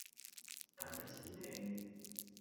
第一次聽